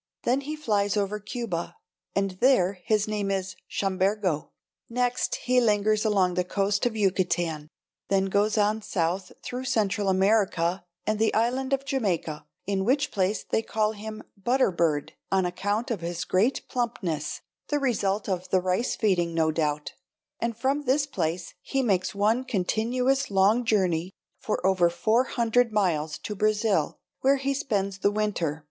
Then he flies over Cuba, and there his name is chambergo. Next he lingers along the coast of Yucatan, then goes on south through Central America and the island of Jamaica, in which place they call him "butter bird," on account of his great plumpness, the result of the rice feeding, no doubt; and from this place he makes one continuous long journey for over four hundred miles to Brazil, where he spends the winter.